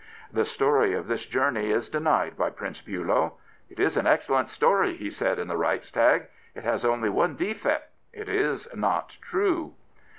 The story of this journey is denied by Prince Biilow. " It is an excellent story/' he said in the Reichstag. " It has only one defect — it is not true."